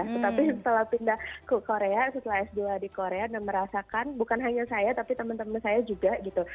tetapi setelah pindah ke korea setelah s dua di korea dan merasakan bukan hanya saya tapi teman teman saya juga gitu